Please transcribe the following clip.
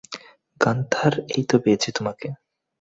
Gunther, এইতো পেয়েছি তোমাকে।